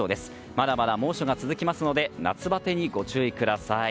まだまだ猛暑が続きますので夏バテにご注意ください。